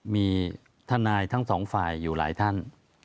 มีทนายทั้งสองฝ่ายอยู่หลายท่าน